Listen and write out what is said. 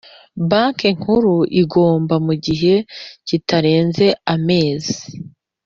Banki Nkuru igomba mu gihe kitarenze amezi